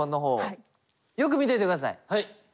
はい。